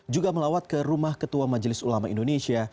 juga melawat ke rumah ketua majelis ulama indonesia